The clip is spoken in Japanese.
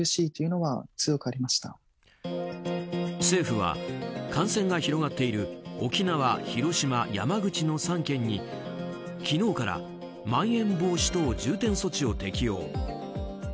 政府は、感染が広がっている沖縄、広島、山口の３県に昨日からまん延防止等重点措置を適用。